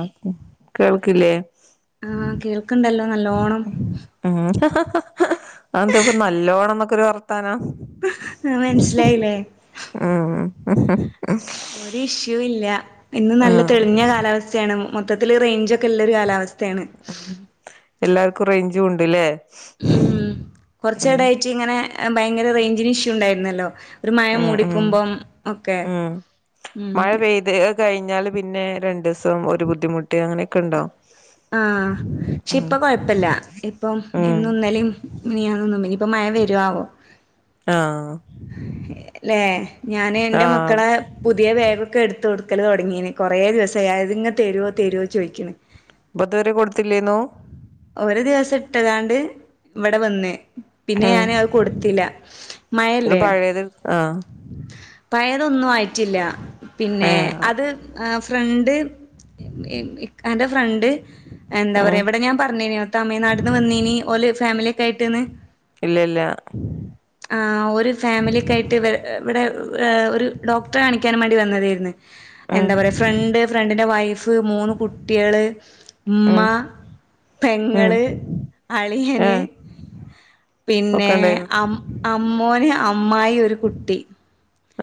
ആ കേൾക്ക്ല്ലേ ആ കേൾക്ണ്ടല്ലോ നല്ലോണം ഉം അതെന്ത ഇപ്പ നല്ലോണം ന്നൊക്കെരു വർത്താനം മനസ്സിലായില്ലേ ഉം ഒരു ഇഷ്യൂ ഇല്ല ഇന്ന് നല്ല ഉം തെളിഞ്ഞ കാലാവസ്ഥയാണ് മൊത്തത്തില് റൈഞ്ച് ഒക്കെ ഉള്ള ഒരു കാലാവസ്ഥ ഉം എല്ലാർക്കു റൈഞ്ചു ഉണ്ട് ലെ ഉം കൊർച്ച്എടായിട്ട് ഇങ്ങനെ ഭയങ്കര റൈഞ്ചിന് ഇഷ്യൂ ഉണ്ടായിരുന്നല്ലോ ഒരു മഴ ഉം ഉം മൂടിക്കുമ്പം ഒക്കെ ഉം ഉം മഴ ഉം പെയ്ത് കഴിഞ്ഞാല് പിന്നെ രണ്ടൂസം ഒരു ബുദ്ധിമുട്ട് അങ്ങനക്കെണ്ടോ ആഹ് പക്ഷെ ഇപ്പ കൊഴപ്പല്ല ഇപ്പം ഉം ഇന്നുന്നലിം മിനിയാന്നൊന്നും ഇനി ഇപ്പം മഴ വരാവൊ ആഹ് ല്ലെ ഞാന് എന്റെ ആഹ് മക്കളെ പുതിയ ബെഗൊക്കെ എടുത്ത് കൊടുക്കല് തൊടങ്ങിന് കുറെ ദിവസായി അത്ങ തരൊ തരൊ ചോയിക്ക്ണ് അപ്പ ഇതു വരെ കൊടുത്തില്ലേന്നു ഒരു ദിവസ ഇട്ട്കാണ്ട് ഇവട വന്ന് പിന്നെ ഉം ഞാന് അത് കൊട്ത്തില്ല ഒരു മഴല്ലേ പഴയത് ആഹ് പയെതൊന്നു ആയിട്ടില്ല പിന്നെ ഏഹ് അത് ഫ്രണ്ട് ഇ ഇക്കാ ന്റെ ഫ്രണ്ട് എന്താ ഉം പറയാ ഇവട ഞാൻ പർഞീനിയോ തമിഴ് നാട്ട്ന്ന് വന്നീനി ഓല് ഫാമിലി ഒക്കെ ആയ്ട്ട്ന്ന് ഇല്ല ഇല്ല ആ ഓര് ഫാമിലിയക്കെ ആയിട്ട് വെ ഇവടെ ഒരു ഡോക്ടറെ കാണിക്കാനും മാണ്ടി വന്നതെയ്ര്ന്നു ഉം എന്താ പറയാ ഫ്രണ്ട് ഫ്രണ്ടിന്റെ വൈഫ് മൂന്ന് കുട്ടിയള് ഇമ്മ ഉം ഉം പെങ്ങള് അളിയന് ഏഹ് പിന്നെ ഒക്കെ ഉണ്ടായിരുന്നു അ അമ്മോന് അമ്മായി ഒരു കു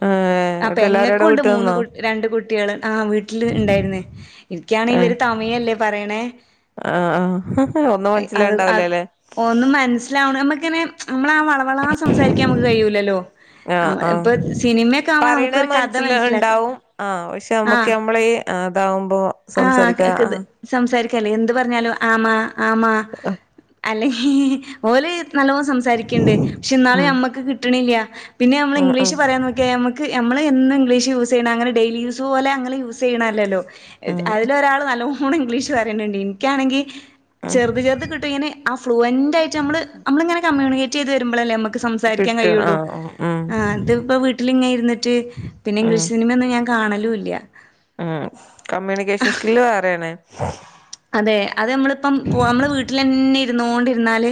ആഏ അ പെങ്ങക്കുണ്ട് മൂന്ന് കു രണ്ട് കുട്ടിയള് ആ വീട്ട്ല് ഇണ്ടായിര്ന്നേ ഇൻക്കാണങ്കി ഏഹ് ഇവര് താ മയല്ലേ പറയണേ ആഹ് ആഹ് ഒന്നും അത് മൻസ്സിലാവ്ണ്ടാവില അത് ലെ ഒന്നും മൻസ്സിലാവ്ണ് നമ്മക്ക്‌ങ്ങനെ മ്മളാ ആ വള വളാ സംസാരിക്കാൻ മ്മക്ക് കഴിഴൂലല്ലോ ഇപ്പ സിനിമ പറിണെ മൻസ്സില് ഇണ്ടാവും ആ പക്ഷെ നമ്മക്ക് ആഹ് നമ്മള ഈ അതാവുമ്പോ ആഹ് സംസാരിക്കാ ക ആ ത് സംസാരിക്കല്ലേ എന്ത് പർഞ്ഞാലും ആമ ആമാ അല്ലെ ഓല് നല്ലോം സംസാരിക്ക്‌ണ്ട് പക്ഷെ ഇന്നാലും ഉം ഞമ്മക്ക് കിട്ട്ണില്ല പിന്നെ നമ്മള് ഉം ഉം ഇംഗ്ലീഷ് പറയാൻ നോക്കിയ ഞമ്മക്ക് നമ്മള് എന്നും ഇംഗ്ലീഷ് യൂസ് ചെയ്യണ അങ്ങനെ ഡെയിലി യൂസ് പോലെ അങ്ങനെ യൂസ് ചെയ്യണല്ലല്ലോ ഉം [unintelligible] അതിലൊരാള് നല്ലോം ണം ഇംഗ്ലീഷ് പറയുന്നുണ്ട് ഇനിക്കാണെങ്കി ഉം ചെറുത് ചെറുത് കിട്ടും ഇങ്ങെനെ ആ ഫ്ലുവന്റായിട്ട് നമ്മള് നമ്മളിങ്ങനെ കമ്മ്യൂണിക്കേറ്റ് ചെയ്ത് വെരുമ്പളല്ലേ നമ്മക്ക് സംസ് സംസാരിക്കാൻ കിട്ടും കഴിയൂള്ളൂ ആഹ് ഉം ഉം ആഹ് ഇത്പ്പോ വീട്ടില് ഇങ്ങനെ ഇര് ന്നിറ്റ് പിന്നെ ഉം ഇംഗ്ലീഷ് സിനിമയൊന്നും ഞാൻ കാണലൂല്ല ഉം കമ്മ്യൂണിക്കേഷൻ സ്ക്കില്ല് അറിയണെ അതെ അത് നമ്മളിപ്പം പോ നമ്മുടെ വീട്ടിലെന്നെ ഇരുന്നോണ്ടിരുന്നാല്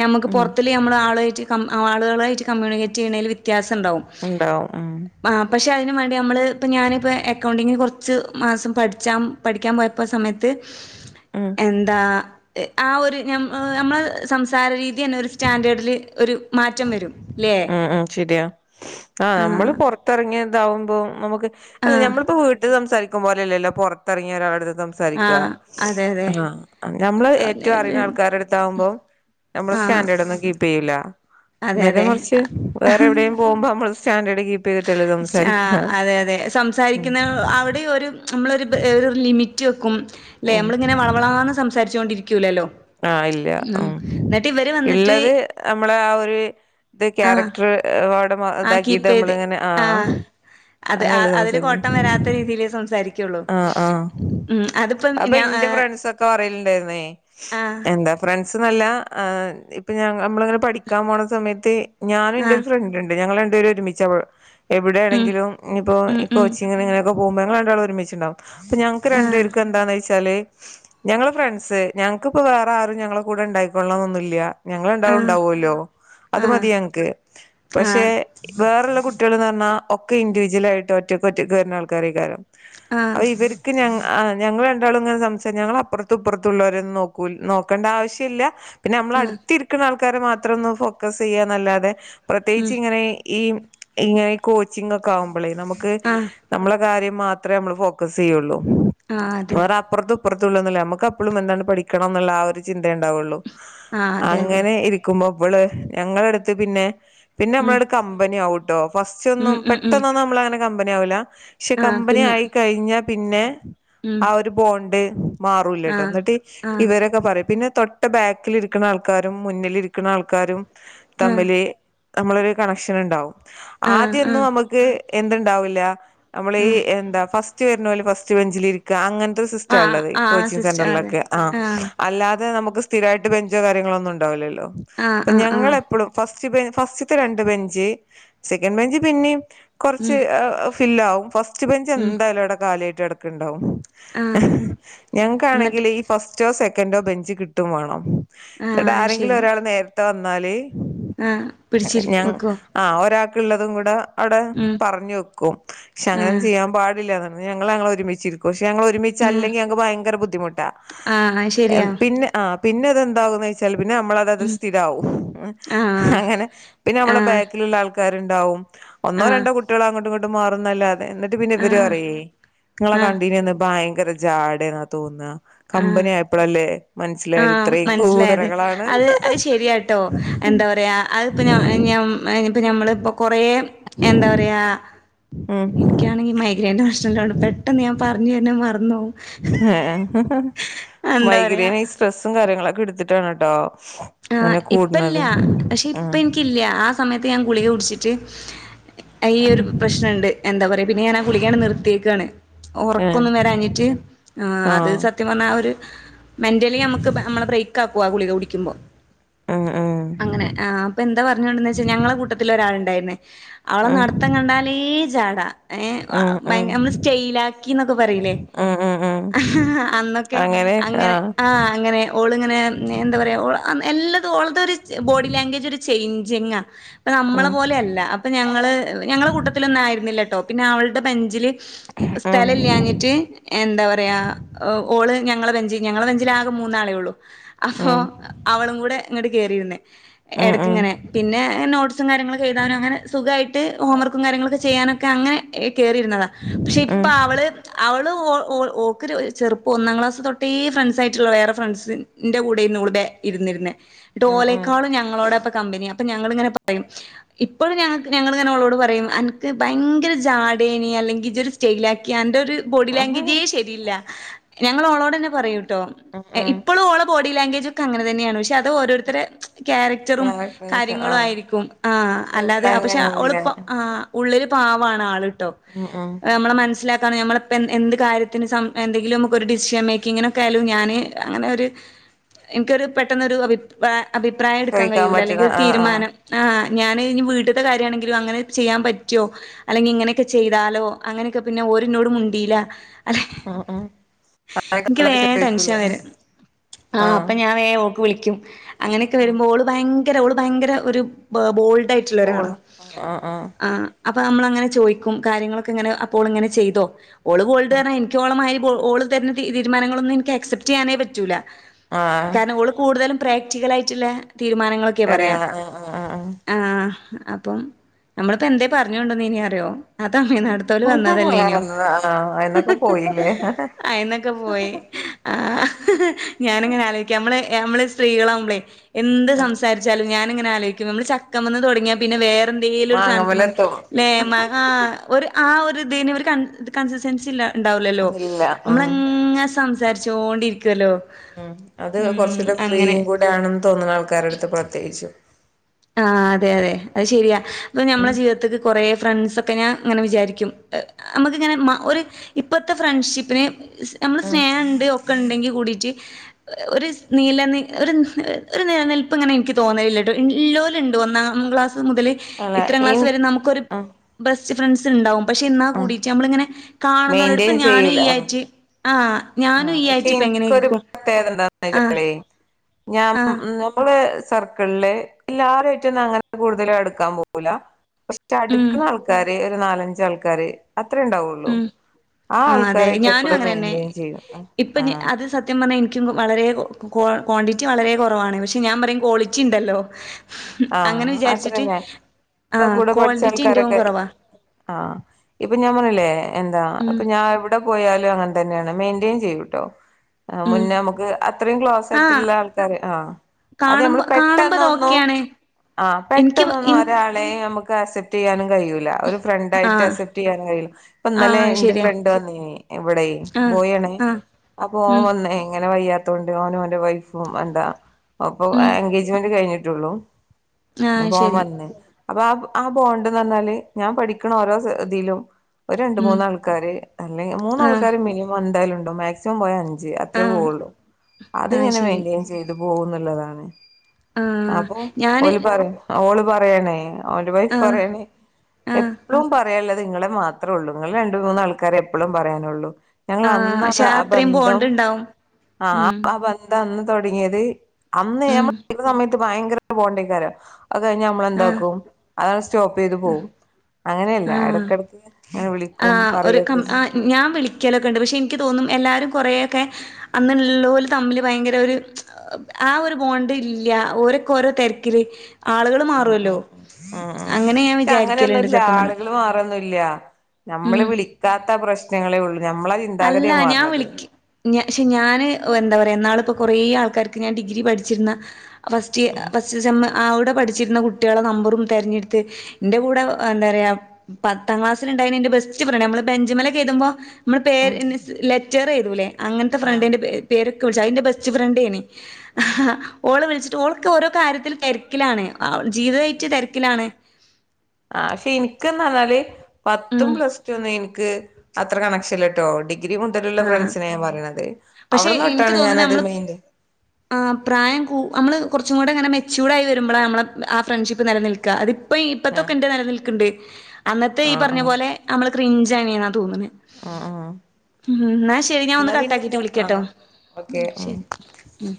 ഞമ്മക്ക് ഉം പൊറത്ത്ള്ള ള് ഞമ്മള് ആളുവായിറ്റ് കം ആളുകളുവായിറ്റ് കമ്മ്യൂണിക്കേറ്റ് ചെയ്യണേല് വ്യത്യാസം ഇണ്ടാവും. ഇണ്ടാവും ഉം ആഹ് പക്ഷെ അതിനും വാണ്ടി നമ്മള് ഇപ്പോ ഞാനിപ്പോ എക്കൗണ്ടിങ്ങിന് കൊറ ച്ച് മാസം പഠിച്ചാം പഠിക്കാൻ പോയപ്പ സമയത്ത് ഉം എന്താ ആ ഒരു ഞമ് ഞമ്മളെ സംസാര രീതി തന്നെ ഒരു സ്റ്റാൻഡേഡില് ഒരു മാറ്റം വരും. ല്ലേ ഉം ഉം ശരിയാ ആഹ് നമ്മള് പൊറ ത്തെറങ്ങി ഇതാവുമ്പോ നമ്മക്ക് അല്ല ആഹ് ഞമ്മളിപ്പോ വീട്ട് സംസാരിക്കും പോലെയല്ലല്ലോ പൊറത്തെറങ്ങി ഒരാളെടുത്ത് സംസാ സാരിക്കാ ആഹ് അതെ അതെ. ആഹ് ഞമ്മള് ഏറ്റോം അറിയണ ആൾക്കാരെടുത്താവുമ്പം നമ്മള് ആഹ് സ്റ്റാൻഡേർഡൊന്നും കീപ്പ് ചെയ്യില്ല അതെ ന്നേരം കൊറച്ച് അതെ വേറെ എവിടെ പോകുമ്പോ നമ്മള് സ്റ്റാൻഡേഡ് കീപ്പ് ചെയ്തിട്ടല്ലേ സ് സംസാരിക്കാ ആഹ് അതെ അതെ സംസാരിക്കുന്ന അവിടെ ഒരു നമ്മളൊരു ബ ലിമിറ്റ് റ്റ് വെക്കും ല്ലേ ഉം നമ്മളിങ്ങനെ വളവളാണെന്ന് സംസാരിച്ച് കൊണ്ടിരിക്കൂല്ലല്ലോ ആഹ് ഇല്ല ഉം വന്നിട്ട് ഇള്ളത് നമ്മളെ ആ ഒരു ഇത് ആ ക്യാരക്ടറ് ഏഹ് അവിടെ ഇതാക്കിയിട്ട് നമ്മളിങ്ങനെ ആഹ് അത് അ അങ്ങനെയല്ലേ അതില് കോട്ടം സംസാരിക്കാ വരാത്ത രീതിയില് സംസാരിക്ക് ആഹ് ആഹ് അപ്പൊ ഞാ ആ ഇന്റെ ഫ്രണ്ട്സ് ഒക്ക് പ്പ പറയല്ണ്ടായിരുന്നെ ആ എന്താ ഫ്രണ്ട് സ്ന്നല്ല ആഹ് ഇപ്പൊ ഞാ നമ്മളിങ്ങനെ പഠിക്കാൻ പോണ സമയത്ത് ഞാനും ആ ഇന്റെ ഒരു ഫ്രണ്ട് ഇണ്ട് ണ്ട് ഞങ്ങള് രണ്ട് പേരും ഒരുമിച്ചാ [unintelligible] ഉം എവിടെയാണെങ്കിലും ഇനിയപ്പോ ഉം ഈ ഉം കോച്ചിങ്ങിന് ഇങ്ങനൊക്കെ പോകുമ്പോ ഞങ്ങള് രണ്ടാളും ഒരുമിച്ചുണ്ടാവും അപ്പൊ ഞങ്ങക്ക് ആ രണ്ടു പേര്ക്കും എന്താന്ന് ചോയിച്ചാല് ഞങ്ങള് ഫ്രണ്ട്സ് ഞങ്ങക്ക്പ്പോ വേറെ ആരും ഞങ്ങളെ കൂടെ ഇണ്ടായിക്കോളണന്നൊന്നും ഇല്ല ഞങ്ങള് ആ രണ്ടാളും ഇണ്ടാവല്ലോ ആ അത് മതി ഞങ്ങക്ക് ആ പക്ഷേ വേറെള്ള കുട്ടികള്ന്ന് പറഞ്ഞാ ഒക്കെ ഇൻഡിവിജ്വൽ ആയിട്ട് ഒറ്റക്കൊറ്റക്ക് കേറുന്ന ആൾക്കാരായിക്കാരം ആ അപ്പൊ ഇവരിക്ക് ഞങ്ങ ആഹ് ഞങ്ങള് രണ്ടാളും ഇങ്ങനെ സംസാ ഞങ്ങളപ്പർത്തും ഇപ്പർത്തുള്ളവരേം ഒന്നും നോക്കോല്ല നോക്കണ്ട ആവശ്യോല്ല പിന്നെ നമ്മളെ ആ അടുത്തിരിക്കുന്ന ആൾക്കാരെ മാത്രം ഒന്ന്ന് ഫോക്കസ് ചെയ്യാന്നല്ലാതെ ഉം പ്രത്യേകിച്ച് ഇങ്ങനെ ഈ ഇങ്ങനെ ഈ കോച്ചിങ്ങക്കെ ആകുമ്പളേ നമ്മക്ക് ആ നമ്മളെ കാര്യം മാത്രേ നമ്മള് ഫോക്കസ് ചെയ്യുള്ളൂ ആഹ് അതെ അപ്പർത്തു ഇപ്പർത്തു ഇള്ളയൊന്നുവല്ല നമ്മക്ക് അപ്പളും എന്താണ് പഠിക്കണന്നുള്ള ആ ഒരു ചിന്തയെ ഉണ്ടാവുള്ളു ആ അതെ അതെ അങ്ങനെ ഇരിക്കുമ്പോ ഇവള് ഞങ്ങളെടുത്ത് പിന്നെ പിന്നെ ഉം നമ്മളാട് കമ്പനി ആവൂട്ടോ ഫസ്റ്റ് ഉം ഒന്നും ഉം ഉം പെട്ടെന്നൊന്നും നമ്മളങ്ങനെ കമ്പനി ആവൂല ക്ഷെ ആഹ് കമ്പനി പിന്നെ ആയി കഴിഞ്ഞാ പിന്നെ ഉം ആ ഒരു ബോണ്ട് മാറൂല്ലാട്ടോ ആഹ് എന്നിട്ട് ആഹ് ഇവരൊക്കെ പറയും പിന്നെ തൊട്ട് ട്ട് ബാക്കിലിരിക്കണ ആൾക്കാരും മുന്നിലിരിക്കണ ആൾക്കാരും ആഹ് തമ്മില് നമ്മളൊരു കണക്ഷൻ ഇണ്ടാവും ആഹ് ആദ്യൊന്നും ആഹ് നമ്മക്ക് എന്ത്ണ്ടാവില്ല നമ്മള് ഈ ആഹ് എന്താ ഫസ്റ്റ് വെരണോല് ഫസ്റ്റ് ബെഞ്ചിലിരിക്ക് ക്കാ അങ്ങൻത്തെ സിസ്റ്റാ ആഹ് ഇള്ളത് ഈ ആഹ് കോച്ചിങ് സിസ്റ്റർ അതെ സെന്ററിലൊക്കെ ആഹ് അല്ലാതെ നമ്മക്ക് സ് സ്ഥിരായിട്ട് ബെഞ്ചോ കാര്യങ്ങളോ ഒന്നും ഇണ്ടാവില്ലല്ലോ ആഹ് അപ്പൊ ആഹ് ആഹ് ഞങ്ങളെപ്പ് പ്പളും ഫസ്റ്റ് ബെ ഫസ്റ്റത്തെ രണ്ട് ബെഞ്ച് സെക്കൻഡ് ബെഞ്ച് പിന്നേം ഉം കുറച്ച് ഫില്ല ആാവും ഫസ്റ്റ് ബെഞ്ച് ഉം എന്തായാലും അവിടെ കാലി ആയിട്ട് കെടക്കുണ്ടാവും ആഹ് എന്നിട്ട് ഞങ്ങക്കാണെങ്കിൽ ഈ ഫസ്റ്റോ സെക്കൻഡോ ബെഞ്ച് കിട്ടും വണം എന്നിട്ട് ആഹ് ആരെങ്കിലും ശരി ഒരാള് നേരത്തെ വന്നാല് ആഹ് പിടിച്ചിരി ഞാ വെക്കോ ആ ഒരാൾക് ഉള്ളതും കൂടെ അവിടെ ഉം പറഞ് വെക്കും പക്ഷെ അങ്ങനും ആഹ് ചെയ്യാൻ പാടില്ല ഞങ്ങ ങ്ങൾ ഒരുമിച്ചിരിക്കും പക്ഷെ ങ്ങൾ ഒരുമി ആഹ് ച്ചാഅല്ലങ്കിൽക്ക് ഭയങ്കര ബുദ്ധിമുട്ടാ ആഹ് ഹെ ശരിയാ പിന്നെ അഹ് പിന്നെതെന്താകന്ന് വെച്ചാൽ പിന്നെ നമ്മള പിന്നത് ഉം സ്ഥിരവും ആഹ് അങ്ങനെ പിന്നെ നമ്മളെ ആഹ് ബാക്കിലുള്ള ആൾക്കാരുണ്ടാവും ഒന്നോ ആഹ് രണ്ടോ കുട്ടികളോ അങ്ങോട്ടും ഇങ്ങോട്ടും മാറുന്നതല്ലാതെ എന്നിട്ട് പിന്നെ ഇവരും ആഹ് പരിംനിങ്ങളെ ആഹ് കണ്ടി ന്നന്ന ഭയങ്കര ജാട എന്നാ തോന്ന കമ്പനി ആയപ്പോളല്ലേ ആഹ മനസിലായത് അത് അഹ് ശരിയാട്ടോ എന്താ പറയാ അഹ് പ്പോ ഞാ ഞാ അഹ് ഇപ്പ നമ്മളിപ്പോ കൊറ എന്താ പറയാ ഉം എനിക്കാണെങ്കി മൈഗ്രൈന്റെ പ്രശ്നണ്ട് പെട്ടെന്ന് ഞാൻ പറഞ്ഞു തരുന്നദ് മറന്നേവും എന്താ പറയാ മൈഗ്രൈൻ ഈ സ്ട്രെസ്സും കാര്യങ്ങളൊക്കെ ഇടുത്തിട്ടാണ് ട്ടോ ആ അങ്ങനെ ഇപ്പല്ല കൂടണത് പക്ഷേ ഇപ്പം ആഹ് എനിക്കില്ല ആ സമയത്ത് ഞാൻ ഗുളിക കുടിച്ചിട്ട് ഈ ഒരു പ്രശ്നംണ്ട് എന്താ പറയാ പിന്നെ ഞാൻ ആ കുളിക്കാണ് നിർത്തിക്കയാണ് ആഹ് ഉറക്കൊന്നും വരാഞ്ഞിട്ട് ആ് അത് സ ത്യം ആഹ് പർന്നാ ആ ഒര് മെന്റലി അമ്ക്ക് അമ്മളെബ്രേക്ക് ആക്കു ആ ഗുളിക കുടിക്കുമ്പോ ആഹ് ആഹ് അങ്ങനെ ആ അപ്പെന്താ പറഞ്ഞുണ്ടന്ന്ച്ചാ ഞങ്ങളെ കൂട്ടത്തിലരാളുണ്ടായിര്ന്നേ അവളെ ആഹ് നടത്തം കണ്ടാലേ ജാടാ ഏ ആഹ് ആഹ് ഭയ ആഹ് നമ്മള് സ്റ്റെലാക്കിന്നൊക്കെ പറിലെ ആഹ് ആഹ് ആഹ് അന്നൊക്കെ അങ്ങനെ ആ അങ്ങനെ ഓള്ങ്ങനെ എന്തപറയ ഓള് അ എല്ലതും ഓള്തൊരു ബോഡി ലാംഗ്വേജ് ഒരു ചേഞ്ചിങ്ങ ഇപ്പ നമ്മളെ ഉം പോലെയല്ല അപ്പഞങ്ങള് ഞങ്ങളെകൂട്ടത്തിലൊന്നായിരുന്നില്ലട്ടോ പിന്നെ അവള്ടെ ബെഞ്ചില് ഉം സ്ഥലല്ല്യാഞ്ഞി റ്റ് എന്താ പറയാ ഓള് ഞങ്ങളെബെഞ്ച് ഞങ്ങളെബെഞ്ചിലാകെ മൂന്നാളെ ഒള്ളു അപ്പൊ ഉം അവളും കൂടെ ഇങ്ങട്ട് കേറിരുന്നേ ഉം ഉം എടക്ക്‌ങ്ങനെ പിന്നെ നോട്ട്സും കാര്യങ്ങളൊക്കെ എഴുതാനും അങ്ങനെ സുഖായിട്ട് ഹോംവർക്കും കാര്യങ്ങളൊക്കെ ചെയ്യാനൊ ക്കെ അങ്ങനെ കേയറിര്ന്നതാ പഷെ ഇപ്പ ഉം അവള് അവള്ഓൾ ഓൾ ഓക്ക്‌ ചെറുപ്പൊ ഒന്നാം ക്ലാസ് തൊട്ടേ ഫ്രണ്ട്സായിട്ടുള്ള വേറെ ഫ്രണ്ട്സ് ന്റെ കൂടെയിരുന്നു ബെ ഇരുന്നിരുന്നേ ഇട്ട് ഉം ഓലെക്കാളും ഞങ്ങളോടാപ്പ കമ്പനി അപ്പൊ ഞങ്ങിള്ങ്ങനെ പറയും ഇപ്പഴും ഞങ്ങക്ക് ഞങ്ങള്ങ്ങനെ ഓളോട് പറയും അൻക്ക് ഭയങ്കര ജാടേനി അല്ലെങ്കിൽ ഇജൊരു സ്റ്റെയിലാക്കി അന്റൊര് ബോഡി ഉം ലാംഗ്വേജേ ശരില്ല ഞങ്ങ ഓളോടന്നെ പറയൂട്ടോ ഉം ഉം ഇപ്പളും ഓള ബോഡി ലാംഗ്വേജ് ഒക്കെ അങ്ങനെ തന്നെയാണ് പക്ഷെ അത് ഓരോരുത്തരെ ക്യാരറ്ററും ഞായറാഴ്ച കാര്യങ്ങളും ആഹ് ആയിരിക്കും ആഹ് പക്ഷെ ഉള്ള അല്ലാതെ അങ്ങനെ പഷെ ആവൂല ഓള്പ്പം ആഹ് ഉള്ളില് പാവാണ് ആള്ട്ടോ ആഹ് ആഹ് ഹെ നമ്മള മൻസിലാക്കാനും നമ്മളിപ്പ എന്ത് കാര്യത്തിന് സം എന്തെങ്കിലും നമുക്ക് ഒരു ഡിസിഷൻ മേക്കിങ്ങിന് ക്കയാലും ഞാന് അങ്ങനെ ഒര് ഇൻക്കൊരു പെട്ടൊന്നൊരു അവിപ്ര അഭിപ്രായടുക്കാൻ ചോയിക്കാൻ കയുല്ല പറ്റണ അല്ലെങ്കിൽ ഒരു ആഹ് ആഹ് തീരുമാനം ആഹ് ഞാന് ഇഞ് വീട്ടത്തെ കാര്യാണെങ്കിലും അങ്ങനെ ചെയ്യാൻ പറ്റൊ അല്ലെങ്കിൽ ഇങ്ങനൊക്കെ ചെയ്താലോ അങ്ങനൊക്കെ പിന്നെ ഓര്ന്നോട് മുണ്ടീല അല്ലെ ഉം ഉം ഇന്ക് അങ്ങനൊക്കെ വേം ടെൻഷൻ ചോദിക്കൂലേ വരും ആഹ് അപ്പം ഞാൻ വേം ഓക്ക് വിളിക്യും അങ്ങനൊക്കെ ആഹ് വരുമ്പോ ഓള് ഭയങ്കര ഓള് ഭയങ്കര ഒരു ബ ബോൾ ടായിറ്റുള്ള ഒരാളാ കോള് ആഹ് അപ്പ അമ്മള് അങ്ങനെ ചോയ്ക്കും കാര്യങ്ങളൊക്കെ ഇങ്ങനെ അപ്പോള്ങ്ങനെ ചെയ്തോ ഓള്ഗോൾഡ്ഞ്ഞാ ഇന്ക് ഓളെമായിരി ബൊ ഓള് തര്ണ തീര്മാഞങ്ങളൊന്ന് ഇന്ക് എക്സെപ്റ്റ് യ്യാനേ പറ്റൂലാ ആഹ് കാരണം ഓള് കൂടുതലും പ്രാക്ടിക്കലായിറ്റ്ല്ല തീരുമാനങ്ങള് കര്യങ്ങള് ആഹ് ആഹ്‌ അഹ്‌ ആഹ് അപ്പം നമ്മളിപ്പോ എന്താ പറഞ്ഞോണ്ടന്നിന് അറിയോ അ തമിഴ്‌നാട്ട്ത്തോല് ആഹ് വന്നതല്ലെന്യോ ആഹ് ആഹ് അയിന്നൊക്കെ പോയില്ലേ അയിന്നൊക്കെ പോയി. ഹ് ആഹ് അഹ് ഹ് ഹ് ഞാന്ങ്ങനെ ആലോയിക്കാ അമ്മള് അമ്മള് സ്ത്രീകളാഉമ്പളെ എന്ത് ആഹ് സംസാരിച്ചാലും ഞാനിങ്ങനെ ആലോയ്ക്യും നമ്മള് ചക്കമന്ന് തുടങ്ങിയ പിന്നെ വേറെ എന്തേലും ഒരു സ്ഥാനത്ത്മ്മന്ന് മാങ്ങമ്മലെത്തും ലെ മഹാ ഒരു ആ ഒര്തിന് ഒര് കൺ കൺസസൻസില്ല ഇണ്ടാവുലല്ലോ. ഇല്ല ഉം നമ്മളങ്ങനെ സംസാരിച്ചോണ്ടിരിക്കുവല്ലൊ ഉം അത് കൊറച്ചൂടെ ഫ്രീയും കൂടെ ആണെന്ന് തോന്ന്ണ ആൾക്കാരട്ത്ത് പ്രത്യേയിച്ചു ആഹ് അതെ അതെ അഹ്ശരിയാ ഇപ്പ ഞമ്മെളെ ഉം ജീവിതത്ത്ക്ക് കൊറേ ഫ്രണ്ട്സൊക്കെ ഞാൻ ഇങ്ങനെ വിചാരിക്യും. നമുക്കിങ്ങനെ മ ഒര് ഇപ്പത്തെ ഫ്രൻഷിപ്പിന് സ് നമ്മള് ഉം സ്നേഹണ്ട് ഒക്കെ ണ്ടെങ്കി കൂടിട്ട് ഒര് നീല നി ഒരു നിലനിൽപ്പ് ഇങ്ങനെ ഇൻക്ക് തോന്നലില്ലട്ടോ ഇ ഇല്ലോല്ണ്ട് ഒന്നാം ക്ലാസ് മുതല് അല്ല ഇത്രാംക്ലാസ് ഇനി വരെ നമുക്കൊരു ആഹ് ബെസ്റ്റ് ഫ്രൻസ് ഇണ്ടാവും പഷെ ഇന്നാ ആഹ് കൂടിട്ട് നമ്മളിങ്ങനെ കാണുന്നലോട് മെയിന്റെയിൻ ഇപ്പം ഞാന് ചെയ്യൂല ഇയ്യായിറ്റ് ആഹ് ഞാനും ആഹ് പഷെ ഈയായിട്ട് ഇപ്പ ഇൻക്കൊരു എങ്ങനെയിരിക്കും ആഹ് പ്രത്യേകതന്താന്ന്ച്ചാല് ഞാം ഉം ആഹ് ഞമ്മള് സർക്കിൾല് എല്ലാരായിറ്റുന്നും അങ്ങനെ കൂടുതലു അടുക്കാൻ പോവൂല ഫസ്റ്റ് ഉം അടുക്കുന്ന ആൾക്കാര് ഒരു നാലഞ്ചൾക്കാര് അത്രേ ഉണ്ടാവൊള്ളൂ ഉം ആ ആഹ് അതെ ആൾക്കാരായിട്ട് ഞാനും എപ്പോഴും അങ്ങനെന്നെ. മെയിന്റ്റെയിൻ ചെയ്യും ഇപ്പൊ ഞ് ആഹ് അത് സത് സത്യം പറഞ്ഞാൽ എനിക്ക് വളരെ ക്വണ്ടിറ്റി വളരെ കുറവാണ് പക്ഷെ ഞാൻ പറയും ക്വാളിറ്റി ഉണ്ടല്ലോ അങ്ങനെ ആഹ് വിചാരിച്ചിട്ട് അത്രന്നെ ആ മ്മളെ കൂടെ പഠിച്ച ക്വാണ്ടിറ്റി ന്റവും ആൾക്കാരൊക്കെ കുറവാ. ആഹ് ഇപ്പൊ ഞാൻ പറഞ്ഞില്ലേ എന്താ ഉം അപ്പൊ ഞാൻവി വിടെ പോയാലും അങ്ങനെ തന്നെയാണ് മെയിന്റെയിൻ ചെയ്യൂട്ടോ ആ് ഉം മുന്നേ മുക്ക് അത്രയും ക്ലോസ് ആഹ് ആയിട്ടുള്ള ആൾക്കാാര് ആ അത് കാണുമ്പോ നമ്മള് കാണുമ്പോ അത് പെട്ടെന്നൊന്നും ഓക്കെയാണ്. ആഹ എനിക്ക് പെട്ടെന്നൊന്നും ഇൻ ഒരാളെയും നമുക്ക് അക്സെപ്റ്റ് ചെയ്യാനും കഴിയൂല ഒരു ഫ്രണ്ടായിട്ട് ആഹ് അസെപ്റ്റ് ചെയ്യാൻ കഴയില്ല ആഹ് ഇപ്പൊന്നലെ അത് എന്റെ ശരിയാ. ഫ്രണ്ട് വന്നിനി എവിടെയ് ആഹ് ബോയ്ണേ ആഹ് ആപ്പോം ഉം വന്നേ ഇങ്ങനെ വയ്യാത്ത ണ്ട് ഓനുംഓന്റെ വൈഫും എന്താ അപ്പൊ ഉം എൻഗേജ്മെന്റ് കഴിഞ്ഞിട്ടുള്ളു ആഹ് അപോൻ ശരി പറഞ് അപ്പൊ ആ ആ ബോണ്ട്ന്ന് പറഞ്ഞാല് ഞാൻ പഠിക്കണ ഓരോസ് തിലും ഒരു രണ്ട് ഉം മൂന്നാൾക്കാാര് ആഹ് അല്ലെമൂന്നാൾക്കാർ മിനിമം എന്തായാലും ഉണ്ടകും മാക്സിം ച്ചം പോയ അഞ്ച് അത്രേ ആഹ് പോവുള്ളു. ആഹ് അതിങ്ങനെ ശരി മെയിന്റയിൻ ചെയ്ത് പോവന്നുള്ളതാണ് ആഹ് അപ്പൊ ഞാന് റീം ഓള് പറാണേ ഓന്റെ വൈഫ് ആഹ് പറാണേ ആഹ് എപ്പഴും പറ പറയാനുള്ളത് ങ്ങളെ മാത്രേ ഉള്ളൂ നിങ്ങൾ രണ്ട് മൂന്നാൾക്കാരെ എപ്പളും പറയാനുള്ളൂ ഞങ്ങ ആഹ് അന്നാ പക്ഷെ ആ അത്രയും ബന്ധം ബോണ്ട് ഉണ്ടാവും ആ ഉം ബന് ന്ധം അന്ന് തുടങ്ങിയത് അന്ന് ഉം ഞമ്മ [unintelligible] സമയത്ത് ഭയങ്കര ബോണ്ടേക്കാരോ അത് കഴിഞ്ഞ ആഹ് മ്മളെന്താക്കും അതാണ് സ്റ്റോപ്പ് യ്ത് പോവും അങ്ങനെയല്ല ആഹ് ഇടക്കിടക്ക്ങ്ങനെ അങ്ങനെ വിളിക്കും പറയൊക്കെച് ഉം ഞാൻ വിളിക്കലൊക്കെണ്ട് പക്ഷേ എനിക്ക് തോന്നും എല്ലാരും കുറേയൊക്കെ അന്ന്ള്ളോല് തമ്മില് ഭയങ്കര ഒര് ജ് ആ ഒരു ബോണ്ട് ഇല്ല്യ ഓരോക്കോരോ തിരക്കില് ആളുകൾ ഉം മാറുവല്ലോ ഉം ഉം ഉം ഉം അങ്ങനെ ഞാൻ ക്ഷെ വിചാരിക്കലുണ്ട് അങ്ങനെയൊന്നുല്ല സത്യം പറഞ്ഞ ആളുകൾ മാറൊന്നുല്ല നമ്മള് ഉം വിളിക്കാത്ത പ്രശ്നങ്ങളേ ഉള്ളൂ നമ്മള അല്ല ഞാൻ വിളിക്ക്! ഞ ക്ഷെ ഞാന് ഒഎന്താ പറയുക ന്നാള്പ്പോ കുറേ ആൾക്കാർക്ക് ഞാൻ ഡിഗ്രി പഠിച്ചിരുന്ന അ ഹ് ഉം ഫസ്റ്റ്ഫസ്റ്റ്സെമ്മ് ആ അവിടെ പഠിച്ചിരുന്ന കുട്ടികളെ നമ്പറും തിരഞ്ഞെടുത്ത് എന്റെ കൂടെ എന്ത പറയാ പത്താം ക്ലാസ്സിലിണ്ടയിന് എന്റെ ബെസ്റ്റ് ഫ്രണ്ട് നമ്മള് ബെഞ്ചുമേൽ ക്കെഴതുമ്പോ നമ്മൾ ഉം പേര്ൻസ് ലെറ്റർ എഴുത്തൂലെ അങ്ങനത്തെ ആഹ് ഫ്രണ്ടൻറെ പേ പേരൊക്കെ വിളിച്ചു അതിൻ്റെ ബെസ്റ്റ് ഫ്രണ്ടേെനു ഉം ആഹ് ഓള് വിളിച്ചിട്ട് ഓൾക്ക് ഓരോ കാര്യത്തില് തിരക്കിലാണ് ജീവിതാറ്റ് തിരക്കിലാണ് ആഹ് പക്ഷെ എനക്ക് പറഞ്ഞാല് പത്തും ഉം പ്ലസ്ടും ഒന്നു എനിക്ക് അത്ര കണക്ഷൻ ഇല്ലട്ടോ ഡിഗ്രി മുണ്ടലുള്ള ആഹ് ഫ്രണ്ട്സിനെ ഞാ പറയണത് അവിടന്ന് തൊട്ടാണ് ഞാനത് മെയിൻറ് ഉ ആഹ് പ്രായം കൂ നമ്മൾ കുറച്ചും കൂടെ അങ്ങനെ മെച്യൂർഡ് ആയി വരുമ്പോളാ നമ്മൾ ആഹ് ഫ്രണ്ട്ഷിപ്പ് നിലനിൽക്കുക അത് ഇപ്പൊ ആ ഇപ്പത്തൊക്കെ എന്ത നിലനിൽക്കണ്ട് അന്നത്തെ ഈ ആ ആ പറഞ്ഞ പോലെ നമ്മള് ക്രിഞ്ചങ്ങന്നാ തോന്നുന്നത് ആ ആ ഉം എന്ന ശരി ഞാൻ എന്നാ ഒന്ന് കട്ട ആക്കിട്ട് പിന്നെന്താ ആ വിളിക്കട്ടോ ഓക്കെ ശരി ഉം ഉം